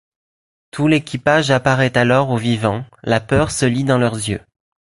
Tout l'équipage apparaît alors aux vivants, la peur se lit dans leurs yeux.